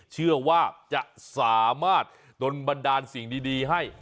เชื่อว่าจะสามารถดนบันดาลสิ่งดีให้